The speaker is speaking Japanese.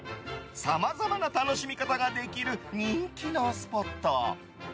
さまざまな楽しみ方ができる人気のスポット。